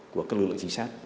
của các lưu lợi chính xác